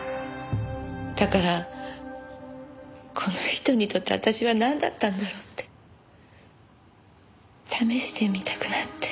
だからこの人にとって私はなんだったんだろうって試してみたくなって。